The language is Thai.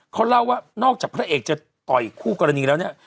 เขาเล่าว่านอกจากพระเอกจะต่อยคู่กรณีแล้วเนี่ย